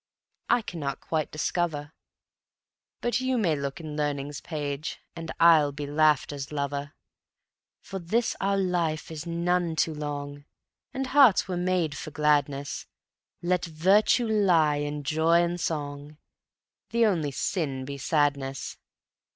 I cannot quite discover; But you may look in learning's page And I'll be laughter's lover. For this our life is none too long, And hearts were made for gladness; Let virtue lie in joy and song, The only sin be sadness.